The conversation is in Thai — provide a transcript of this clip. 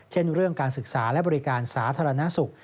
เช่นเรื่องการศึกษาและบริการสาธารณสุข